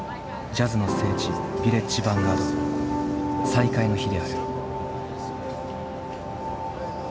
ジャズの聖地ヴィレッジ・ヴァンガード再開の日である。